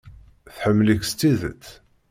Tḥemmel-ik s tidet.